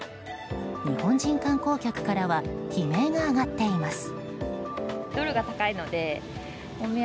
日本人観光客からは悲鳴が上がっています。